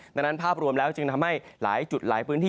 ดังนั้นภาพรวมแล้วจึงทำให้หลายจุดหลายพื้นที่